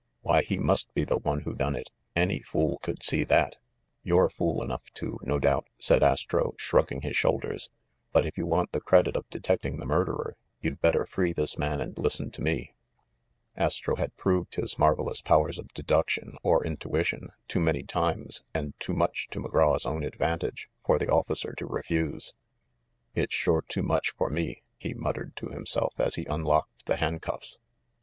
Why, he must be the one who done it ! Any fool could see that !" "You're fool enough to, no doubt," said Astro, shrugging his shoulders; "but if you want the credit of detecting the murderer, you'd better free this man and listen to me." Astro had proved his marvelous powers of deduc tion or intuition too many times, and too much to Mc Graw's own advantage, for the officer to refuse. "It's sure too much for me!" he muttered to him self as he unlocked the handcuffs.